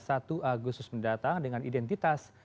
satu agustus mendatang dengan identitas